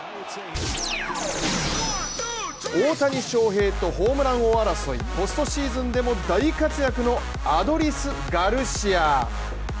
大谷翔平とホームラン王争いポストシーズンでも大活躍のアドリス・ガルシア。